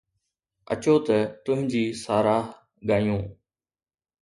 اچو ته تنهنجي ساراهه ڳايون